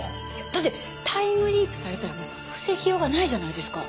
だってタイムリープされたら防ぎようがないじゃないですか。